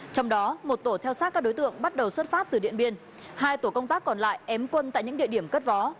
trong đó một tổ theo sát các đối tượng bắt đầu xuất phát từ điện biên hai tổ công tác còn lại ém quân tại những địa điểm cất vó